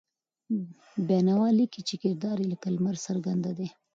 بېنوا لیکي چې کردار یې لکه لمر څرګند دی.